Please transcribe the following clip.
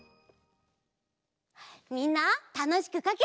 みんなたのしくかけた？